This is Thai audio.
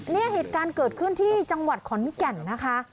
เหตุการณ์เกิดขึ้นที่จังหวัดขอนแก่นนะคะ